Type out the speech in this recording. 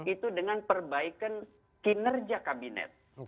itu dengan perbaikan kinerja kabinet